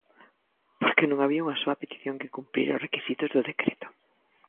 Porque non había unha soa petición que cumprira os requisitos do decreto.